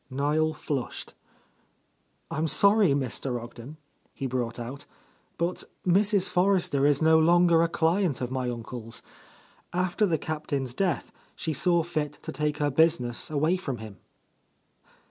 Kiel flushed. "I'm sorry, Mr. Ogden," he brought out, "but Mrs. Forrester is no longer a client of my uncle's. After the Captain's death, she saw fit to take her business away from him.